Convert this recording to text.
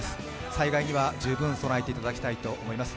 災害には十分備えていただきたいと思います。